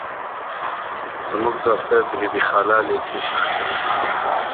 زموږ دفتر د بي بي خالا ليسي شاته دي.